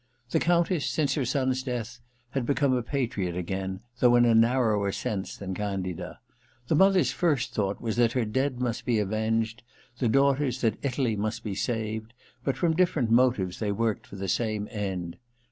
The Countess, since her son's death, had be come a patriot again, though in a narrower sense than Candida. The mother's first thought was that her dead must be avenged, the daughter's that Italy must be saved ; but from different motives they worked for the same end.